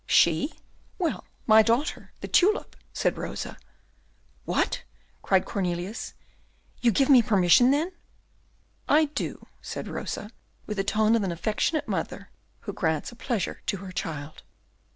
"She? Well, my daughter, the tulip," said Rosa. "What!" cried Cornelius, "you give me permission, then?" "I do," said Rosa, with the tone of an affectionate mother who grants a pleasure to her child.